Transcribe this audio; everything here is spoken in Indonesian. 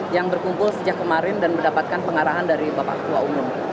yang berkumpul sejak kemarin dan mendapatkan pengarahan dari bapak ketua umum